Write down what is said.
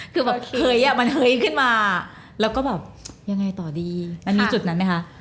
คือแบบเฮ้ยอ่ะมันเฮ้ยขึ้นมาแล้วก็แบบยังไงต่อดีมันมีจุดนั้นไหมคะ